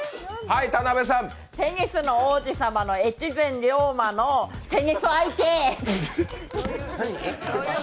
「テニスの王子様」の越前リョーマのテニス相手。